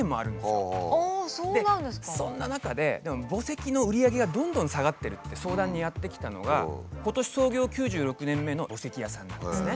でそんな中で墓石の売り上げがどんどん下がってるって相談にやって来たのが今年創業９６年目の墓石屋さんなんですね。